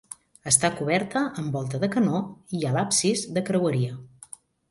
Està coberta amb volta de canó i a l'absis, de creueria.